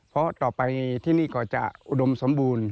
เพราะต่อไปที่นี่ก็จะอุดมสมบูรณ์